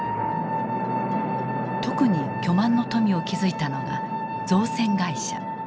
特に巨万の富を築いたのが造船会社。